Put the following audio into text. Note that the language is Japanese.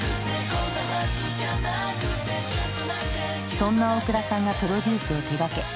そんな大倉さんがプロデュースを手がけ